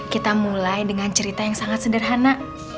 kita mulai dengan cerita yang sangat sederhana